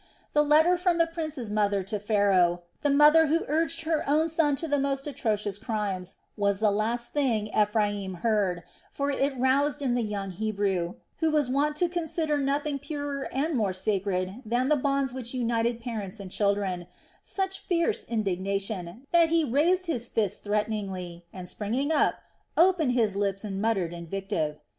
The letter from the prince's mother to Pharaoh, the mother who urged her own son to the most atrocious crimes, was the last thing Ephraim heard; for it roused in the young Hebrew, who was wont to consider nothing purer and more sacred than the bonds which united parents and children, such fierce indignation, that he raised his fist threateningly and, springing up, opened his lips in muttered invective.